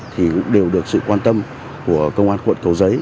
thì cũng đều được sự quan tâm của công an quận cầu giấy